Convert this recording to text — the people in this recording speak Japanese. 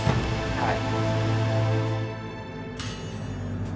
はい。